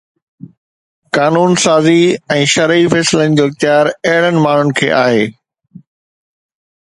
قانون سازي ۽ شرعي فيصلن جو اختيار اهڙن ماڻهن کي آهي